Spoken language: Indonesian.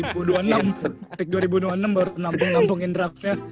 pick dua ribu dua puluh enam baru nampungin draft nya